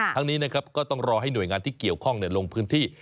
ทั้งนี้นะครับก็ต้องรอให้หน่วยงานที่เกี่ยวข้องลงพื้นที่